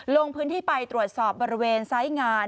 ลงพื้นที่ไปตรวจสอบบริเวณไซส์งาน